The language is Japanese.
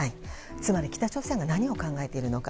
つまり北朝鮮が何を考えているのか。